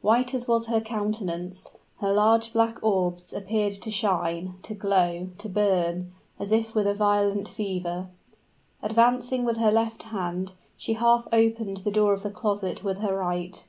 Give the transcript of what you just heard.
White as was her countenance, her large black orbs appeared to shine to glow to burn, as if with a violent fever. Advancing with her left hand, she half opened the door of the closet with her right.